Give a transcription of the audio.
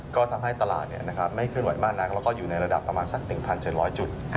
ก็ทำให้ตลาดไม่เคลื่อนไหวมากนักแล้วก็อยู่ในระดับประมาณสัก๑๗๐๐จุด